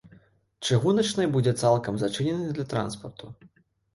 Чыгуначнай будзе цалкам зачынены для транспарту.